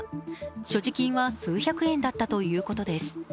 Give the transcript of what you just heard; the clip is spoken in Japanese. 所持金は数百円だったということです。